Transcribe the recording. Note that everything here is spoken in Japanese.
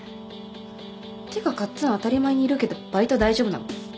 てかカッツン当たり前にいるけどバイト大丈夫なの？